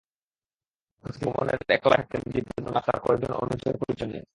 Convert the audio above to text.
অতিথিভবনের একতলায় থাকতেন দ্বিপেন্দ্রনাথ তাঁর কয়েকজন অনুচর-পরিচর নিয়ে।